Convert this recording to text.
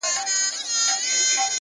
پوهه د ذهن تیاره کونجونه روښانه کوي.!